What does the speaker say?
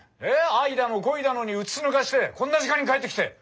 愛だの恋だのにうつつ抜かしてこんな時間に帰ってきて。